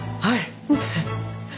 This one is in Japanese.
はい。